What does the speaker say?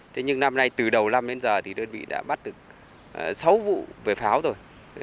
thế nhưng năm nay từ đầu năm đến giờ thì đơn vị đã bắt được sáu vụ về pháo rồi